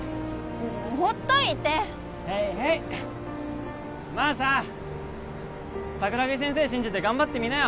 もうほっといてヘイヘイまあさ桜木先生信じて頑張ってみなよ